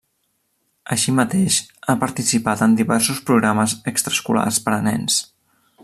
Així mateix, ha participat en diversos programes extraescolars per a nens.